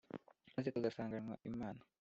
maze tugasanganwa imana,